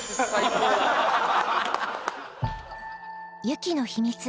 雪の秘密